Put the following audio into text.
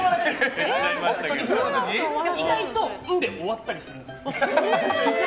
意外と「ん」で終わったりするんですよ。